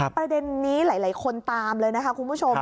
ประเด็นนี้หลายคนตามเลยนะคะคุณผู้ชม